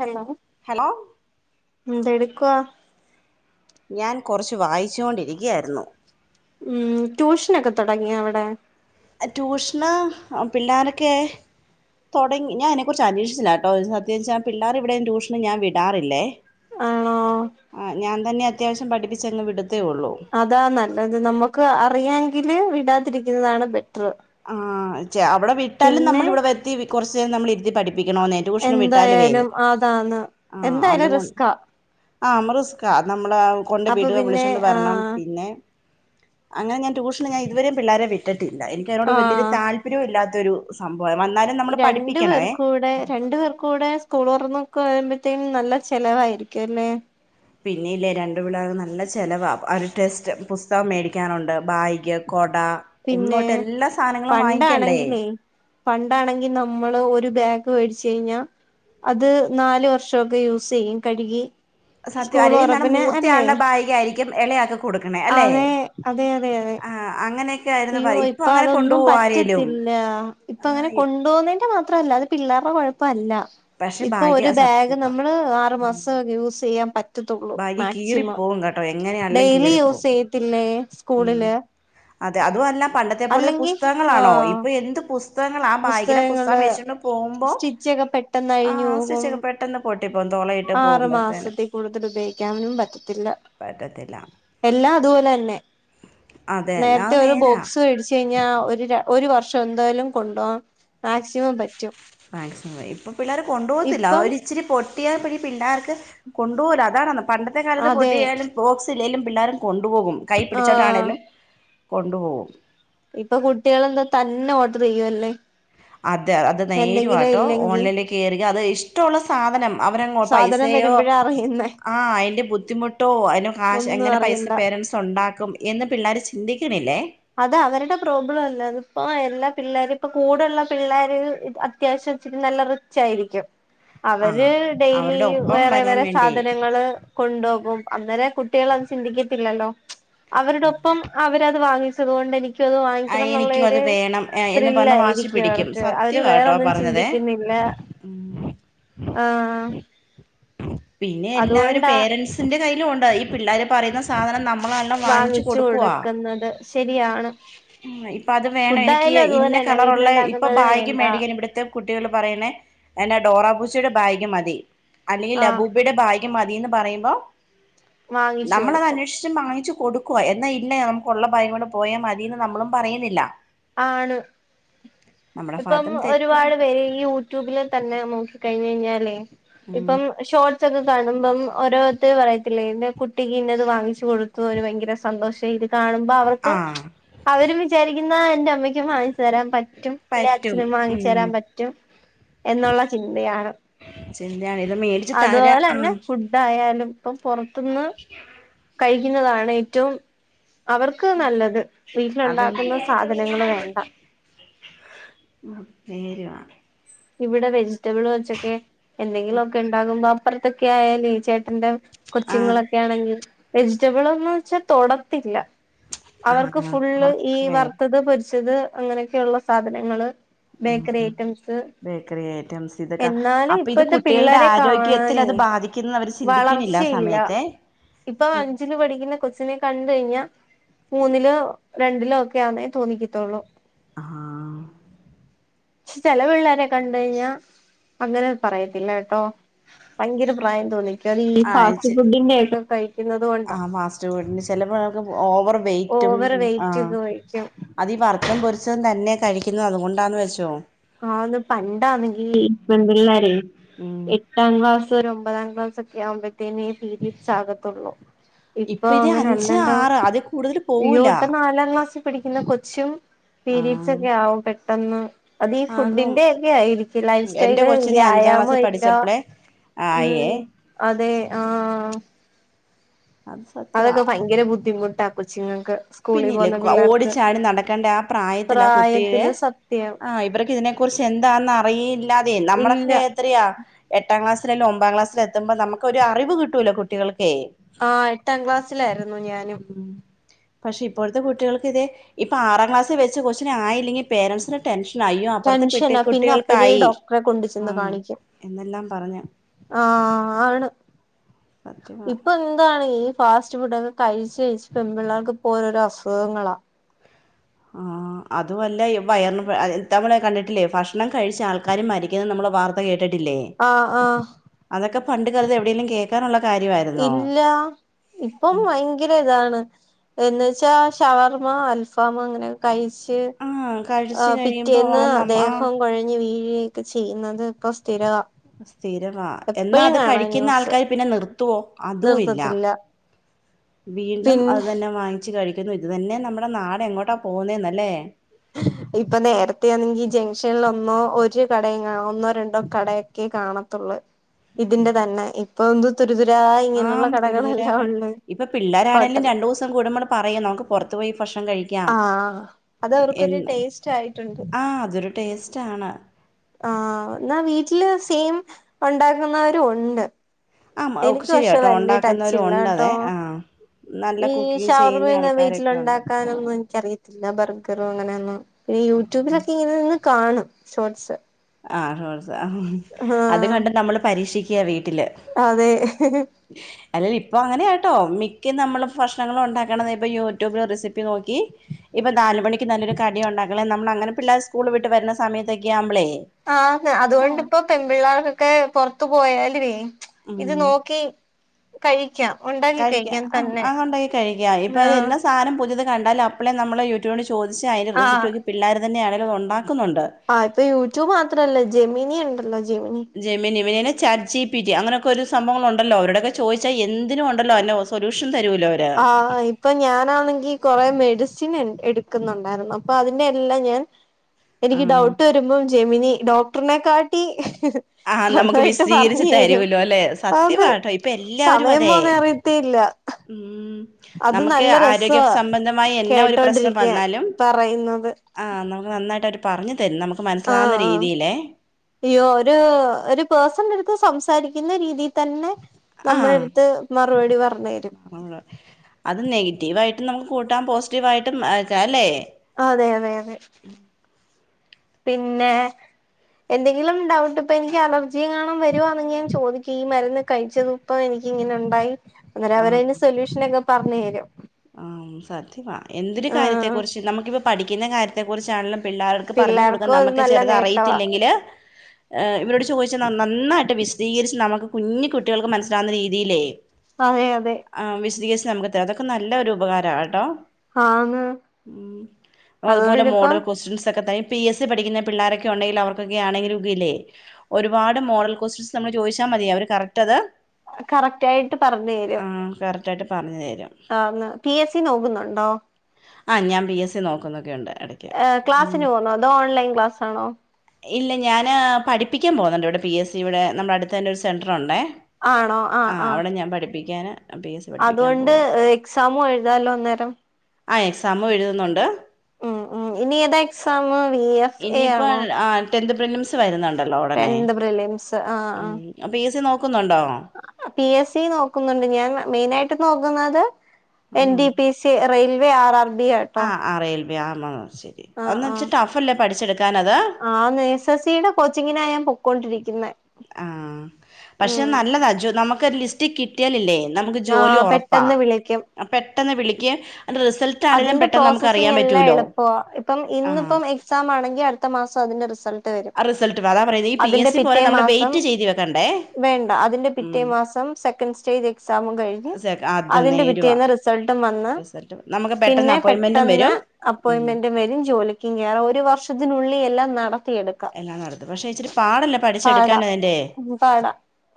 Hello hello എന്തെടുക്വാ? ഞാൻ കൊറച്ചു വായിച്ചു കൊണ്ടിരിക്കയാരുന്നു. ഉം ട്യൂഷനൊക്കെ തുടങ്ങിയോ അവിടെ? ട്യൂഷന് പിള്ളാരൊക്കെ, തൊടങ്ങി. ഞാനതിനെകുറിച്ച് അന്വേഷിച്ചില്ലാട്ടോ. സത്യ വെച്ചാ പിള്ളേർ എവിടെയും ട്യൂഷന് ഞാൻ വിടാറില്ലേ. ആണോ ആഹ് ഞാൻ തന്നെ അത്യാവശ്യം പഠിപ്പിച്ചങ്ങ് വിടത്തേ ഒള്ളു. അതാ നല്ലത്, നമുക്ക് അറിയാങ്കില് വിടാതിരിക്കുന്നതാണ് ബെറ്ററ്. ആഹ് ച അവിടെ വിട്ടാലും നമ്മൾ ഇവിടെ വരുത്തി കുറച്ചു നേരം നമ്മൾ ഇരു ത്തി പഠിപ്പിക്കണോന്നെ, ട്യൂഷന് വിട്ടാലുവേ. എന്തായാലും അതാന്ന് ആഹ് എന്തായാലും അതുകൊ റിസ്കാ ആ നമ്മ റിസ്കാ നമ്മൾ കൊണ്ട് അപ്പൊ വീടുക പിന്നെ വിളിച്ചോണ്ട് വരണം. ആഹ് പിന്നെ, അങ്ങനെ ഞാൻ ട്യൂഷന് ഞാനിതുവരെ പിള്ളാരെ വിട്ടിട്ടില്ല. എനിക്കതിനോട് വല്യോരു ആഹ് താല്പ് [unintelligible] ഇല്ലാത്ത ഒരു സംഭവാ. വന്നാലും, നമ്മള് രണ്ടു പഠിപ്പിക്കണവേ പേർക്കൂടെ രണ്ടു പേർ കൂടെ സ്കൂൾ തുറന്നൊക്കയാവുമ്പോഴത്തേക്കും നല്ല ചിലവായിരിക്കും അല്ലേ? പിന്നില്ലേ രണ്ടു പിള്ളേർക്ക് നല്ല ചെലവാ. അവർക്ക് ടെസ്റ്റ് പുസ്തകം മേടിക്കാനുണ്ട്. ബാഗ്, കൊട, പിന്നെ ഒന്നോട്ട് എല്ലാ സാധനങ്ങളും വാങ്ങിക്കണ്ടേ. പണ്ടാണെങ്കിലേ പണ്ടാണെങ്കി നമ്മള് ഒരു ബാഗ് മേടിച്ചു കഴിഞ്ഞാ, അത് നാല് വർഷൊക്കെ യൂസ് ചെയ്യും, കഴുകി. സത്യം സ്കൂൾ അല്ലങ്കി നമ്മട തുറപ്പിന് അല്ലേ മൂത്തയാളുടെ ബാഗായിരിക്കും എളേയാക്കു കൊടുക്കണേ അല്ലെ. അതെ, അതെ, അതെ. ആഹ് അങ്ങനെയൊക്കെയായ് അയ്യോ ഇപ്പൊ അതൊന്നും പറ്റത്തില്ല. ആ ഇപ്പം അങ്ങനെ കൊണ്ടു പോകുന്നതിന്റെ മാത്രമല്ല, അത് പിള്ളേരുടെ കുഴപ്പമല്ല. പക്ഷെ ഇപ്പൊ ഭാഗ്യ ഒരു ബാഗ് സത്യവാ നമ്മള് ആറു മാസം യൂസ് ചെയ്യാൻ പറ്റ ത്തുള്ളൂ ഭാഗ്യ മാക്സിമം. കീറിപ്പോവും കേട്ടോ എങ്ങനെയാണെലും ഡെയിലി യൂസ് കീറിപ്പോവും ചെയ്യത്തില്ലേ ഉം സ്കൂളില്. അതെ അതുമല്ല. പണ്ടത്തെ പോലത്തെ അല്ലെങ്കി പുസ്തകങ്ങളാണോ? ആഹ് ഇപ്പൊ എന്ത് പുസ് പുസ്തകങ്ങളാ ആ ബായ്ഗിലെ പുസ്തകം പുസ്തകങ്ങള് വെച്ചോണ്ട് പോകുമ്പോൾ സ്റ്റിച്ചൊക്കെ പെട്ടെന്ന് ആ സ്റ്റിച്ചൊക്കെ പെട്ട് ട്ടന്ന് പൊട്ടിപ്പോകും. തോളേൽ ആറു മാസത്തിൽ കൂടുതൽ ഉപയോഗിക്കാനും പറ്റത്തില്ല. പറ്റത്തില്ല എല്ലാം അതുപോലെ തന്നെ. അതെ നേരത്തെ അത് ഒരു നേരാ ബോക്സ് മേടിച്ച ഴിഞ്ഞാൽ ഒരു ഒരു വർഷം എന്തായാലും കൊണ്ടുപോകാൻ മാക്സിമം പറ്റും. മാക്സിമം. ഇപ്പൊ പിള്ളേർ കൊണ്ടുപോകത്തില്ല ഇപ്പം അവരിച്ചിരി പൊട്ട് ട്ടിയ പിടി പിള്ളാർക്ക് കൊണ്ട് പോകൂല്ല. അതാണ് പണ്ടത്തെ കാലത്ത് അതെ പൊട്ടിയാലും, ബോക്സ് ഇല്ലേലും പിള്ളാര് കൊണ്ടുപോകും. കൈ ആഹ് പിടിച്ചിട്ടാണേലും കൊണ്ടുപോകും. ഇപ്പൊ കുട്ടികള് എന്താ തന്നെ ഓർഡർ ചെയ്യുവല്ലേ. അത് അത് എന്തെങ്കിലും നേരുവാട്ടോ. ഇല്ലെങ്കി ഓൺലൈനിലേക്ക് കയറുക. അത് ഇഷ്ടോള്ള സാധനം അവരങ്ങോട്ട് സാധനം പൈസയോ വരുമ്പോഴാ അറിയുന്നേ അ അതിന്റെ ബുദ്ധിമുട്ടോ, അതിൻ്റെ കാശ് ഒന്നും എങ്ങനെ പൈസ അറിയണ്ട പേരൻ്റ്സ്, ഉണ്ടാക്കും എന്ന് പിള്ളേര് ചിന്തിക്കണില്ലേ. അത് അവരുടെ പ്രോബ്ലം അല്ല. അതിപ്പോ എല്ലാ പിള്ളേരും, ഇപ്പ കൂടുള്ള പിള്ളേര് അത ത്യാവശം ഇച്ചിരി നല്ല റിച്ചായിരിക്കും. ആ അവര് ഡെയ്‌ലി അവരുടെ ഒപ്പം വേറെ വരാൻ വേറെ വേണ്ടി സാധനങ്ങള്, കൊണ്ടുപോകും. അന്നേരം കുട്ടികൾ അത് ചിന്തിക്കത്തില്ലല്ലോ. അവരുടൊപ്പം അവരത് വാങ്ങി അതുകൊണ്ട് എനി ക്ക് അത് ആ വാങ്ങിക്കണം എനിക്കും അത് എന്നുള്ളൊരു വേണം ഏ, എന്ന് ത്രില്ല് പറഞ്ഞ് വാശി ആയിരിക്കും പിടിക്കും അവർക്ക്. അവര് സത്യമാട്ടോ ആ വേറൊന്നും പറഞ്ഞതേ ചിന്തിക്കുന്നില്ല. ഉം. ആഹ്. പിന്നെ എല്ലാവരും അതുകൊണ്ടാ പേരൻസിന്റെ കയ്യിലുമുണ്ട് ഈ പിള്ളേര് പറയുന്ന സാധനം നമ്മളു തന്നെ വാങ്ങിച്ച് വാങ്ങിച്ചു കൊടുക്കുവാ. കൊടുക്കുന്നത് ശരിയാണ് ഇന്നെയ് ഇപ്പത് വേണ ഫുഡായാലും എനിക്യ അതുപോലെ ഇന്ന തന്നെ കളറുള്ള ഇപ്പൊ വീട്ടിലുണ്ടാക്കുന്നത് ബാഗ് വേണ്ട മേടിക്കല് ബ്ട്ത്തെ കുട്ടികൾ പറയ്ണെ എൻ്റെ ഡോറാബുജിയുടെ ബാഗ് മതി അല്ലെങ്കിൽ ആഹ് ലബൂബിടെ ബാ ക്മതീന്ന് പറയ്മ്പോ വാങ്ങിച്ചു കൊടുക്കും നമ്മളതന്വേഷ് ച്ച് മാങ്ങിച്ച് കൊടുക്കുവാ എന്നാ ഇല്ല നംക്കൊള്ള ബായും കൊണ്ട് പോയാ മതീന്ന് നമ്മളും പറയുന്നില്ല ആണ് നമ്മുടെ ഇപ്പം ഭാഗത്തും ഒരുപാട് തെറ്റുണ്ട് പേര് ഇയൂ യൂട്യൂബില് തന്നെ നോക്കി കഴിഞ്ഞ യ്ഞ്ഞാലേ ഉം ഇപ്പം ഷോ സൊക്കെ കാണുമ്പം ഓരോര്ത്തര് പറയത്തില്ലെ ഇന്റെ കുട്ടിക്ക് ഇന്നത് വാങ്ങിച്ച് കൊടുത്തു ഓന് ഭയങ്കര സന്തോഷായടി കാണുമ്പ അവർക്ക് ആഹ് അവരും വിചാരിക്കുന്ന എന്റെ അമ്മക്ക്യും വാങ്ങിച്ചു തരാൻ പറ്റും ല്ലെ പറ്റും അച്ഛനും വാങ്ങിച്ച് ഉം തരാൻ പറ്റും എന്നുള്ള ചിന്തയാണ് ചിന്തയാണ് ഇത് മേടിച്ച് തരാ അത്പോലെ ന്നെ ആഹ് ഫുഡ് ടായാലും പ്പം പൊർത്ത്ന്ന് [unintelligible] കഴിക്കുന്നതാണ് ഏറ്റവും അവർക്ക് നല്ലത് വീട്ടിലുണ്ടാക്കുന്ന സാധനങ്ങള് വേണ്ട മ്മ് പേരുവാ ഇപിടെ വെജിറ്റബിള് വെച്ചൊക്കെ എന്തെങ്കിലുക്കെ ഇണ്ടാകുമ്പോ അപ്പറത്തൊക്കെ ആയലെ ചേട്ടന്റെ ആഹ് കൊച്ച്ങ്ങളൊക്കെ ആണെങ്കിൽ വെജിറ്റബിള് ഒന്ന്വെച്ചാൽ തൊടത്തില്ല അവർക്ക് ആഹ് ഫുള്ള് ഈ അവർക്ക് വേറെ വർത്തത് പൊരിച്ചത് അങ്ങനെയൊക്കെള്ള സാധനങ്ങള് ബേക്കറി ഐറ്റംസ് ക്രിയേറ്റംസ് ഇതക്ക എന്നാലും അപ്പിഇത് ഇപ്പഴത്തെ കുട്ടിയേൾടെ പിള്ളേരെ കാണാനേ ആരോഗ്യത്തിലത് ബാധിക്കിന്ന് അവര് ചിന്തിക്ക്ണില്ല ആസമയത്തെ ഇപ്പ അഞ്ചില് പഠിക്കുന്ന കൊ ച്ചിനെ കണ്ട്യ്ഞ്ഞാ മൂന്നിലോ രണ്ടിലോ ഒക്കെ ആന്നേ തോന്നിക്കത്തുള്ളൂ ആഹ് ചെല പിള്ളേരെ കണ്ടഴിഞ്ഞാ അങ്ങനെ പറയത്തില്ല എട്ടോ പയങ്കര പ്രായം തോന്നിക്യുഅതില്ലി ആഴ്ച ഫാസ്റ്റ് ഫുഡ്ഡിന്റെക്കെ കഴി ആഹ് ഫാസ്റ്റ് ഫുഡിന്റെ ചെലപിള്ളർക്ക് ഓവർ വെയിറ്റും ഓവർ വെയിറ്റ് ആഹ് ഒക്കെ കഴിക്കും അത് ഈ വർത്തതും പൊരിച്ചതും തന്നെ കഴിക്യുന്നു അത് കൊണ്ടാന്ന് വെച്ചോ ആഹ് ന്ന് പണ്ടാന്നെങ്കി പെൺപിള്ളാരെ ഉം എട്ടാം ക്ലാസ് ഒര് ഒമ്പതാം ക്ലാസ് ഒ ക്യാവുമ്പത്തേന് ഈ പീരീഡ്സ് ആകത്തുള്ളൂ ഇപ്പോ ഇപ്പൊ ഇത് അങ്ങനെ അഞ്ച് എല്ലല്ലോ ആറ് അതിൽ കൂടുതൽ പോവൂല ഇയ്യോപ്പാ നാലാം ക്ലാസ് പഠിക്കുന്ന കൊച്ചും പീരീഡ്സ് ആഹ് ഒക്കെ ആകും പെട്ടെന്ന് അത് ഈ ആകും ഫുഡിന്റെ എക്കെ ആയിരിക്കു ലൈഫ് എന്റെ സ്റ്റൈല് കൊച്ചിന് അഞ്ചാം വ്യായാമു ക്ലാസ്സിൽ ല്ല പഠിച്ചപ്പളേ ഉം ആയേ അതെ ആഹ് അത് അതൊക്കെ സത്യവാ ഭയങ്കര ബുദ്ധിമുട്ടാ കൊച്ചിങ്ങക്ക് പിന്നില്ലേ ക് ഓടിച്ചാടി നടക്കേണ്ട ആ പ്രായത്തിലാ കുട്ടിടെ പ്രായത്തില് സത്യം ആഹ് ഇവർക്ക് ഇതിനെ കുറിച്ച് എന്താന്ന് അറിയില്ലാതെ ഇല്ല നമ്മളൊക്കെ എത്രയാ എട്ടാം ക്ലാസ്സിലല്ല ഒമ്പാം ക്ലാസ്സിലത്തുമ്പോൾ നമുക്ക് ഒരു അറിവ് കിട്ടൂലോ കുട്ടികൾക്കെയ് ആഹ് എട്ടാം ക്ലാസ്സിലായിരുന്നു ഞാനും ഉം പക്ഷെ ഇപ്പോഴത്തെ കുട്ടികൾക്ക് ഇത് ഇപ്പ ആറാം ക്ലാസ്സിൽ വെച്ച് കൊച്ചിനായില്ലെങ്കി പേരൻസ്ൻ ടെൻഷ്നയ്യോ അപ്പർത്തെ പിട്ടെ ടെൻഷനാ പിന്നെ അപ്പഴേ കുട്ടികൾക്കായി ഡോക്ടറെ കൊണ്ട് ചെന്ന് ആഹ് കാണിക്കും എന്നെല്ലാം പറഞ്ഞ് ആഹ് ആണ് സത്യവാ പ്പന്താണ് ഈ ഫാസ്റ്റ് ഫുഡക്കെ കഴിച്ച ഴിച്ച് പെൺ പിള്ളേർക്ക്പ്പോരോരോ അസുഖങ്ങളാ ആഹ് അതുവല്ല ഇവയർന് പെഅത്തമ്മളെ കണ്ടിട്ടില്ലേ ഭക്ഷണം കഴിച്ചാൾക്കാരു മരിക്കുന്ന നമ്മള് വാർത്ത കേട്ടിട്ടില്ലേ ആഹ് ആഹ് അതൊക്കെ പണ്ട് കാലത്ത് എവിടെലും കേക്കാനുള്ള കാര്യാര് ഇല്ലാ ഇപ്പം ഭയങ്കരതാണ് എന്നുവച്ചാ ഷവർമ്മ അൽഫാമ് അങ്ങനെക്കെ കഴിച്ച് ആഹ് കഴിച്ചു ആഹ് കഴിയുമ്പോ ആ പിറ്റേന്ന് നമ്മ ആ ദേഹം കുഴഞ്ഞ് വീഴ്വക്കെ ചെയ്യുന്നത് ഇപ്പൊ സ്ഥിരവാ. സ്ഥിരവാ എന്നാ എപ്പഴും അത് കാണാം കഴിക്കുന്ന ന്യൂസ് ആൾക്കാര് പിന്നെ നിർത്തുവോ, അതുഇല്ല. നിർത്തത്തില്ല വീണ്ടും അത് പിന്നെ തന്നെ വാങ്ങി- ച്ച് കഴിക്കുന്ന്. ഇത് തന്നെ നമ്മുടെ നാട് എങ്ങോട്ടാ പോകുന്നേന്നല്ലേ. ഇപ്പ നേരത്തെ ആണെങ്കിൽ ജംഗ്ഷനിൽ ഒന്നോ ഒരു കടയും കാ ഒന്നോ രണ്ടോ കടയൊക്കെ കാണ ത്തൊള്ള് ഇതിന്റെ തന്നെ ഇപ്പൊ തുരുതുരാ ആം ഇങ്ങനെയുള്ള തുരു തുരാ കടകളെല്ലാം കട, ഉള്ള് ഇപ്പ പിള്ളേരാണേലും ഹോട്ടൽ രണ്ടു ദിവസം കൂടുമ്പണ് പറയും നമുക്ക് പുറത്ത് പോയി ഭക്ഷണം കഴിക്കാം, ആഹ് അത് അവർക്കൊരു എന്ന് ടേസ്റ്റ് ആയിട്ടുണ്ട് ആഹ് അതൊരു ടേസ് ട്ടാണ്. ആഹ് ന്നാ വീട്ടില് സെയിം ഒണ്ടാക്കുന്നവരൂണ്ട്. ആഹ് എനിക്ക് പഷെ ശരിയാട്ടോ വലിയ ടച്ച് ഉണ്ടാക്കുന്നവരും ഇല്ലാട്ടോ. ഉണ്ടതെ ആഹ് നല്ല ഈ കുക്കിംഗ് ചെയ്യുന്ന ഷവർമയൊന്നും ആൾക്കാരൊക്കെ ഉണ്ട് വീട്ടിലുണ്ടാക്കാനൊന്നും എനിക്കറിയത്തില്ല ബർഗറും അങ്ങനെയൊന്നും, പിന്നെ യൂട്യൂബിലൊക്കെ ഇങ്ങനെ നിന്ന് കാണും ഷോർട്സ്. ആഹ് ഹോ ഹാ അഹ് അത് ആഹ് കണ്ട് നമ്മള് പരീക്ഷിക്യാ വീട്ടില്. അതെ ഇഹിഹി. [inaudible] അല്ല ഇപ്പൊ അങ്ങനെയാട്ടോ മിക്ക നമ്മള് ഫക്ഷണങ്ങൾ ഉണ്ടാക്കണതി പ്പൊ യൂട്യൂബ് ലെ റെസിപ്പി നോക്കി ഇപ്പ നാലുമണിക്ക് നല്ലരു കടിയുണ്ടാകണേൽ നമ്മള അങ്ങനെ പിള്ളേർ സ്കൂള് വിട്ട് വരുന്ന സമയത്തൊക്കെ ആവുമ്പളേ. ആഹ് ആഹ് അതുകൊണ്ടിപ്പോ പെൺപിള്ളാർക്കൊക്കെ പുറത്തു പോയാലുവേ ഇത് നോക്കി ആഹ് കഴിക്കാം ഉണ്ടാക്കി കഴിക്ക കഴിക്കാം ആഹ് തന്നെ അതുണ്ടാക്കി കഴിക്കാ ഇപ്പൊ അത് ആഹ് എന്നസ് സാനം പുതിത് കണ്ടാല അപ്പളേ നമ്മൾ യൂട്യൂബ്നോട് ചോദിച്ച് അയ്ൻ്റെ റെസിപ്പി ആഹ് നോക്കി പിള്ളേർ തന്നൊണെങ്കിലും ഒണ്ടാക്കുന്നുണ്ട്. ആഹ് ഇപ്പൊ യൂട്യൂബ് മാത്രല്ല ജെമിനി ഉണ്ടല്ലോ ജെമിനി. ജെമിനി ജെമിനിയല്ല ചാറ്റ് ജി പി ടി അങ്ങനെയൊക്കെ ഒരു സംഭവങ്ങളൊണ്ടല്ലോ അവരുടെയൊക്കെ ചോദിച്ച എന്തിനും ഒണ്ടല്ലോ [unintelligible] സൊലൂഷൻ തരൂല്ലോ അവര് ആഹ് ഇ ഇപ്പൊ ഞാനാണെങ്കി കൊറെ മെഡിസിൻ എ എടുക്കുന്നുണ്ടായിരുന്നു അപ്പൊ അതിന്റെ എല്ലാം ഞാൻ എനിക്ക് ആഹ് ഡൗട്ട് വരുമ്പം ജെമിനി ഡോക്ടറിനെ കാട്ടി ആഹ് നമുക്ക് വിശദീകരിച്ച് തരുല്ലോ അല്ലെ അത് സത്യമാട്ടോ ഇപ്പൊ എല്ലാവരും സമയം അതെ പോന്നെ അറിയത്തേയില്ല മ്ഹ് അത് നമ്മക്ക് നല്ല ആരോഗ്യ രസവാ സംബന്ധമായി എന്നാ ഒരു പ്രശ്നം കേട്ടോണ്ടിരിക്കാൻ വന്നാലും പറയുന്നത് ആഹ് നമുക്ക് നന്നായിട്ട് അവര് പറഞ്ഞു തരും നമുക്ക് മനസ്സിലാവുന്ന രീതിയിലേ ഇയ്യോ ഒരു ഒരു പേഴ്സൻ്റെടുത്ത് സംസാരിക്കുന്ന രീതീ തന്നെ ആഹ് നമ്മളടുത്ത് മറുപടി പറഞ്ഞ് തരും [unintelligible] അത് നെഗറ്റീവായിട്ടും നമുക്ക് കൂട്ടാം പോസിറ്റീവായിട്ടും അക അല്ലേ ആഹ് അതെ അതെ അതെ പിന്നെ എന്തെങ്കിലും ഡൗട്ട് ഇപ്പൊ എനിക്ക് അലർജിയെങ്ങാണ വരുവാന്നെങ്കി ഞാൻ ചോദിക്കും ഈ മരുന്ന് കഴിച്ചത് പ്പൊ എനിക്ക് ഇങ്ങനെ ഒണ്ടായി അന്നേരം അവരയിന് ആഹ് സൊല്യൂഷനെക്കെ പറഞ്ഞേരും ആഹ് സത്യമാ എന്തൊരു കാര്യത്തെ ആഹ് കുറിച്ച് നമുക്കിപ്പ പഠിക്കുന്ന കാര്യത്തെ കുറിച്ചാണെലും പിള്ളാരടുക്ക പറഞ്ഞു കൊടുക്കാൻ പിള്ളേർക്കും അത് നമ്മക്ക് നല്ല ചെലത് നേട്ടവാ അറിയത്തില്ലെങ്കില് ഏഹ് ഇവരോട് ചോദിച്ച ന നന്നായിട്ട് വിശ് ദീകരിച്ച് നമുക്ക് കുഞ്ഞു കുട്ടികൾക്ക് മനസ്സിലാവുന്ന രീതിയിലേ അതെ അതെ ആഹ് വിശദീകരിച്ച് നമുക്ക് താ അതൊക്കെ നല്ല ഒരു ഉപകാരാ ട്ടോ ആന്ന് ഉം അതുപോലെ അതുകൊണ്ടിപ്പം മോഡൽ ക്വസ്റ്റ്യൻസ് ഒക്കെ [unintelligible] പി എസ് സി പഠിക്കുന്ന പിള്ളാരൊക്കെ ഒണ്ടെങ്കിൽ അവർക്കൊക്കെ ആണെങ്കി [unintelligible] ഒരുപാട് മോഡൽ ക്വസ്റ്റൻസ് നമ്മൾ ചോദിച്ചാ മതി അവര് കറക്റ്റ് അത് കറക്റ്റായിട്ട് പറഞ്ഞേരും റ്റായിട്ട് പറഞ്ഞു തരും പിഎസ്സി നോകുന്നുണ്ടോ ആഹ് ഞാൻ പി എസ് സി നോക്കുന്നൊക്കെണ്ട് അട ഏഹ് ക്ലാസിന് പോന്നോ അതോ ഓൺലൈൻക്ലാസണോ ഇല്ല ഞാൻ പഠിപ്പിക്കാൻ പോകുന്നുണ്ട് ഇവിടെ പി എസ് സി ഇവിടെ നമ്മുടെ അടുത്ത് തന്നെ ഒരു സെൻ്ററുണ്ട് ആണോ ആഹ് അവിടെ ഞാൻ പഠിപ്പിക്കാന് അതോണ്ട് എക്സാമും എഴുതാലോ അന്നേരം ആഹ് എക്സാം എഴുതുന്നുണ്ട് ഉം ഉം ഇനി ഏതാ എക്സാം വി എഫ് എ ഇനിയിപ്പോ ആണോ ആഹ് ടെന്ത് പ്രിലിംസ് വരുന്നുണ്ടല്ലോ ഉടനെ ടെൻത് പ്രിലിംസ് ആഹ് ഉം പി എ സി നോക്കുന്നുണ്ടോ ആഹ് പി എസ് സി നോക്കുന്നുണ്ട് ഞാൻ മെയിന് ആയിട്ട് നോക്കുന്നത് N D P S C railway R R B ആണ് ആഹ് അഹ് റെയിൽവേ ആഹ് ശരി ആഹ് ഒന്ന് ആഹ് വെച്ച് ടഫ് അല്ലേ പഠിച്ചെടുക്കാൻ അത് ആന്ന് എസ് എസ് സി യുടെ കോച്ചിങ്ങിനാ ഞാൻ പൊക്കൊണ്ടിരിക്കുന്നെ ആഹ് പക്ഷെ നല്ലതാ അ ജോ നമുക്ക് ഒരു ലിസ്റ്റ് കി കിട്ടിയാലില്ലേ നമുക്ക് ജോലി ആഹ് ഉറപ്പാ പെട്ടെന്ന് വിളിക്കും പെട്ടെന്ന് വിളികേം അന്റെ റിസൾട്ട് ആണെങ്കിലും അതിന്റെ പെട്ടെന്ന് നമുക്ക് പ്രോസസിങ് അറിയാൻ എല്ലാം പറ്റുമല്ലോ എളുപ്പവാ ഇപ്പം ആ ഇന്നിപ്പം എക്സ് എക്സാം ആണെങ്കി അടുത്ത മാസം അതിൻ്റെ റിസൾട്ട് വരും ആ റിസൾട്ട് അതാ പറയുന്നത് ഈ പി അതിന്റെ എസ് സി പോലെ പിറ്റേ നമ്മള് മാസം വെയിറ്റ് ചെയ്ത് വെക്കണ്ടേ വേണ്ട അതിന്റെ പിറ്റേ ഉം മാസം സെ സെക്കന്റ് സ്റ്റേജ് എക്സാമും കഴിഞ്ഞ് അത് അതിന്റെ നേരുവാ പിറ്റേന്ന് റിസൾട്ടും വന്ന് [unintelligible] നമുക്ക് പെട്ടെന്ന് പിന്നെ അപ്പോയിൻമെന്റും പെട്ടെന്ന് വരും ഉം അപ്പോയിൻറ്മെന്റും വരും ജോലി - - ക്കും കേറാം ഒരു വർഷത്തിനുള്ളിൽ എല്ലാം നടത്തിയെടുക്കും. എല്ലാം നടത്തും പക്ഷെ ഇച്ചിരി പാടല്ലേ പാടാ പഠിച്ചെടുക്കാൻ അതിന്റെ പാടാ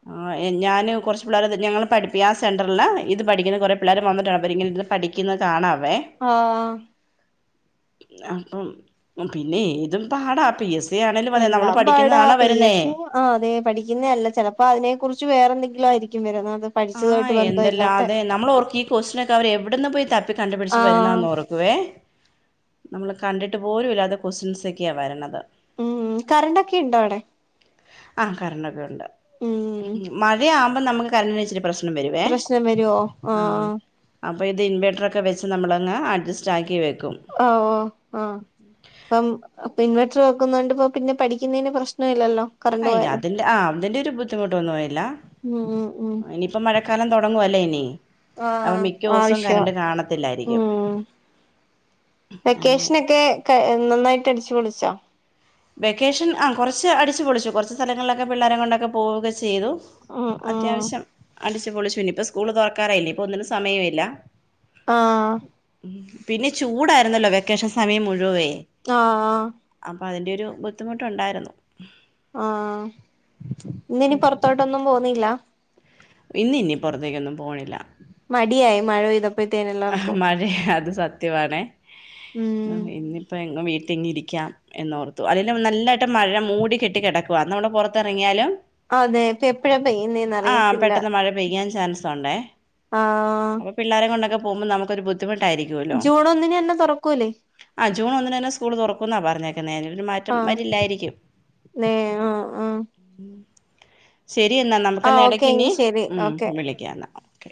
ആ ഞാന് കുറച്ച് പിള്ളേര് ഞങ്ങള് പഠിപ്പി ആഹ് സെന്ററില് ഇത് പഠിക്കുന്ന കുറേ പിള്ളേർ വന്നിട്ടാണ് ഇവരിങ്ങനിരിന്ന് പഠിക്കുന്ന കാണാവെ ആഹ് അപ്പം പിന്നെ ഏതും പാടാ പി എസ് തി ആണേലും മതി നമ്മള് പഠിക്കുന്നതണോ വരുന്നേ ആഹ് അതെ പഠിക്കുന്ന അല്ല ചിലപ്പോ അതിനെ കുറിച്ച് വേറെ എന്തെങ്കിലും ആയിരിക്കും വരുന്നത് അത് ആഹ് എന്തല്ലാ അതെ നമ്മള് ഓർക്കും ഈ ക്വസ്റ്റിനൊക്കെ അവരെവിടന്ന് പോയി തപ്പി കണ്ടുപിടിച്ച് ആഹ് വരുന്നതന്ന് ഓർക്കും. വേ നമ്മൾ കണ്ടിട്ട് പോലും ഇല്ലാതെ ക്വസ്റ്റ്യൻസ് ഒക്കെയാ വരണത്. ഉം കറണ്ട് ഒക്കെ ഇണ്ടോ അവിടെ ആഹ് കരണ്ടൊക്കെ ഉണ്ട് ഉം മഴയാവുമ്പോം നമുക്ക് കരണ്ടിനിച്ചിരി പ്രശ്നം - - നം വരുവേ പ്രശ്നം വരുവോ ഏഹ് ആഹ് അപ്പോൾ ഇത് ഇൻവേർട്ടറൊക്കെ വെച്ച് നമ്മളങ്ങ് അഡ്ജസ്റ്റ് ആക്കി വെക്കും ഓ ഓ ആഹ് ഇപ്പം അപ്പം ഇൻവെർട്ടർ വെക്കുന്ന കൊണ്ട് ഇപ്പ പിന്നെ പഠിക്കുന്നതിന് പ്രശ്നം ഇല്ലല്ലോ. കറണ്ട് അയില്ല പോയാലും അതി ആഹ് അതിന്റെ ഒരു ബുദ്ധിമുട്ടൊന്നും ല്ല ഉം ഉം ഉം ഇനിയിപ്പോ മഴക്കാലം തുടങ്ങുവല്ലേ ഇനി അപ്പൊ ആഹ് മിക്ക ദിവസവും ആവശ്യവാ കറണ്ട് കാണത്തില്ലായിരിക്കും ഉം അങ്ങനെ വെക്കേഷനൊക്കെ ക നന്നായിട്ട് അടിച്ചു പൊളിച്ചോ വെക്കേഷൻ ആഹ് കുറച്ച് അടിച്ച് പൊളിച്ചു കുറച്ച് സ്ഥലങ്ങളിലൊക്കെ പിള്ളോരെ കൊണ്ടൊക്കെ പോവുക്കെ ചെയ്തു. ഉം ഉം അത്യാവശ്യം അടിച്ചു പൊളിച്ചു നി ഇപ്പ സ്കൂള് തുറക്കാറായില്ലേ ഇപ്പൊ ഒന്നിനും സമയം ഇല്ല. ആഹ് പിന്നെ ചൂടായിരുന്നല്ലോ വെക്കേഷൻ സമയം മുഴുവേ ആഹ് അപ്പൊ അതിന്റെ ഒരു ബുദ്ധിമുട്ടുണ്ടായിരുന്നു. ആഹ് ഇന്ന് ഇനി പൊറത്തോട്ടൊന്നും പോന്നില്ല? ഇന്ന് ഇനി പുറത്തേക്കൊന്നും പോണില്ല. മടിയായി മഴ പെയ്ത മഴ അത് സത്യമാണെ ഉം ഇന്നിപ്പോ എങ്ങും വീട്ടിങ്ങ് ഇരിക്കാം. എന്നോർത്തു അതില് നല്ലായിട്ട് മഴ മൂടി കെട്ടി കിടക്കുവ നമ്മള് പുറത്തിറങ്ങിയാലും അതെ ഇപ്പ എപ്പഴാ പെയ്യുന്നേന്ന് ആഹ് അറിയത്തില്ല പെട്ടെന്ന് മഴ പെയ്യാൻ ചാൻസ് സുണ്ടേ ആഹ് അപ്പൊ പിള്ളാരെ കൊണ്ടൊക്കെ പോകുമ്പോ നമുക്കൊരു ബുദ്ധി ബുദ്ധിമുട്ടായിരിക്കുമല്ലോ ജൂൺ ഒന്നിന് തന്നെ തൊറക്കൂലേ ആഹ് ജൂൺ ഒന്നിന് തന്നെ സ്കൂൾ തുറക്കു ക്കുന്നാ പറഞ്ഞേക്കുന്നേ എനിരു മാറ്റം ആഹ് വരില്ലായിരിക്കും നേ ആഹ് ആഹ് ശരി എന്നാ ആഹ് ഓക്കെ നമുക്കന്നടക്കിനി എങ്കി ശരി ഉം ഓക്കെ വിളിക്കാം എന്നാ ഓക്കെ